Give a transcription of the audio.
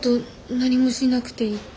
何もしなくていいって。